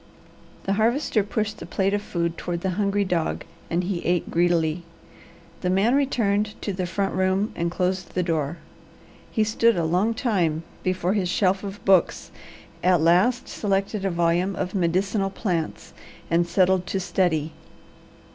The Harvester pushed the plate of food toward the hungry dog and he ate greedily. The man returned to the front room and closed the door. He stood a long time before his shelf of books, at last selected a volume of "Medicinal Plants" and settled to study.